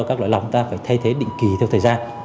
các loại lọc ta phải thay thế định kỳ theo thời gian